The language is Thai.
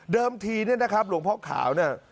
เดิมทีนี่ครับหลวงพ่อขาวเนี่ย